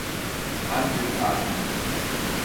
I am doing fine.